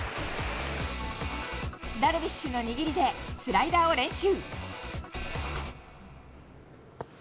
ダルビッシュの握りでスライダーを練習。